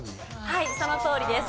はいそのとおりです。